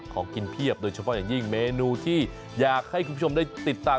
ของกินเพียบโดยเฉพาะอย่างยิ่งเมนูที่อยากให้คุณผู้ชมได้ติดตาม